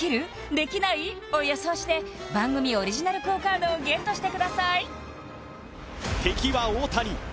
できない？を予想して番組オリジナルＱＵＯカードをＧＥＴしてください敵は大谷